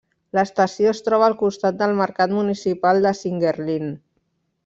L'estació es troba al costat del mercat municipal de Singuerlín.